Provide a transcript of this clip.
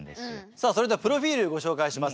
さあそれではプロフィールご紹介します。